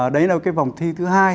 đấy là cái vòng thi thứ hai